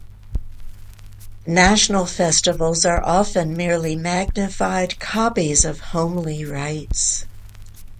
National festivals are often merely magnified copies of homely rites.